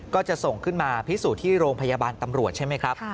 ก็จะส่งขึ้นมาพิสูจน์ที่โรงพยาบาลตำรวจใช่ไหมครับ